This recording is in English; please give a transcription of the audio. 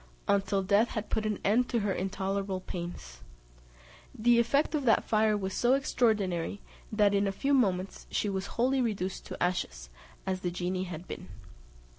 until death had put an end to her intolerable pains. The effect of that fire was so extraordinary, that in a few moments she was wholly reduced to ashes, as the genie had been.